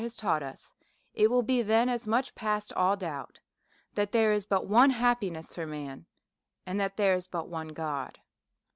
151 had taught us, it will be then as much past all doubt that there is but one happiness for man, as that there is but one God.